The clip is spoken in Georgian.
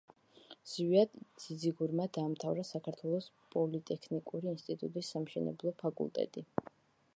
ზვიად ძიძიგურმა დაამთავრა საქართველოს პოლიტექნიკური ინსტიტუტის სამშენებლო ფაკულტეტი.